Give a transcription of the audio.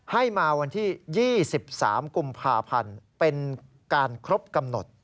ให้มาวันที่๒๓กุมภาพันธ์เป็นการครบกำหนด